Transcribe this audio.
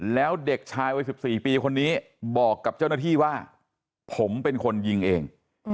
แล้วเด็กชายวัย๑๔ปีคนนี้บอกกับเจ้าหน้าที่ว่าผมเป็นคนยิงเอง